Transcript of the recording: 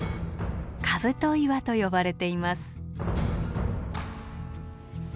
兜岩と呼ばれています。